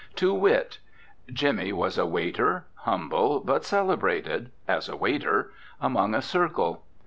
To wit: Jimmy was a waiter, humble, but celebrated as a waiter among a circle.